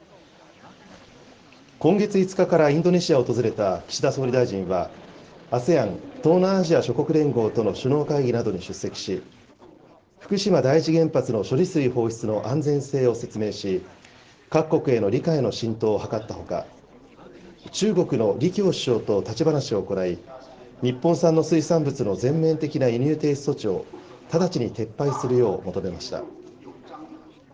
今月５日からインドネシアを訪れた岸田総理大臣は、ＡＳＥＡＮ・東南アジア諸国連合との首脳会議などに出席し、福島第一原発の処理水放出の安全性を説明し、各国への理解の浸透を図ったほか、中国の李強首相と立ち話を行い、日本産の水産物の全面的な輸入停止措置を直ちに撤廃するよう求めました。